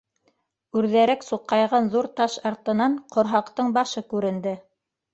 Үрҙәрәк суҡайған ҙур таш артынан ҡорһаҡтың башы күренде.